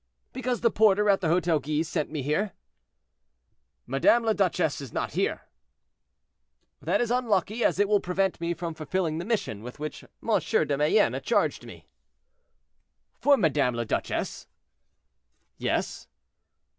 "Because the porter at the Hotel Guise sent me here." "Madame la Duchesse is not here." "That is unlucky, as it will prevent me from fulfilling the mission with which M. de Mayenne charged me." "For Madame la Duchesse?" "Yes."